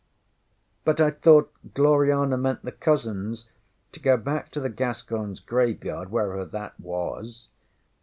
ŌĆÖ ŌĆśBut I thought Gloriana meant the cousins to go back to the GasconsŌĆÖ Graveyard, wherever that was.